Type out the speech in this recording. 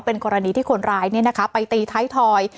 เป็นกรณีที่คนร้ายไปตีท้ายทอย